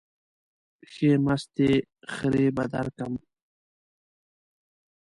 ښې مستې خرې به درکم.